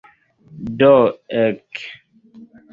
Do ek!